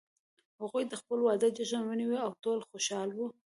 هغوی د خپل واده جشن ونیو او ټول خوشحال وو